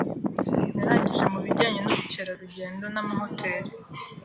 narangije mu bijyanye n’ubukerarugendo n’amahoteri.